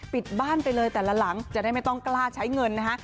ปิดบ้านไปเลยแต่ละหลังจะได้ไม่ต้องกล้าใช้เงินนะฮะ